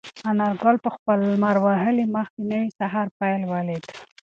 انارګل په خپل لمر وهلي مخ د نوي سهار پیل ولید.